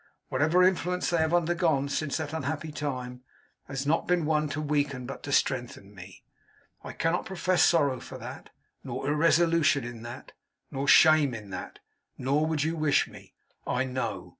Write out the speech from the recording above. Whatever influence they have undergone, since that unhappy time, has not been one to weaken but to strengthen me. I cannot profess sorrow for that, nor irresolution in that, nor shame in that. Nor would you wish me, I know.